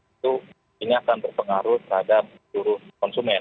itu ini akan berpengaruh terhadap seluruh konsumen